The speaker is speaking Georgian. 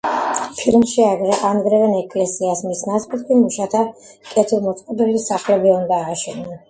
ფილმში ანგრევენ ეკლესიას, მის ნაცვლად კი მუშათა კეთილმოწყობილი სახლები უნდა ააშენონ.